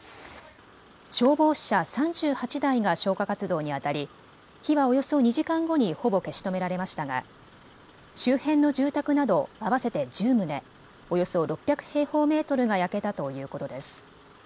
消防車３８台が消火活動にあたり火はおよそ２時間後にほぼ消し止められましたが周辺の住宅など合わせて１０棟、およそ６００平方メートルが焼けたということです。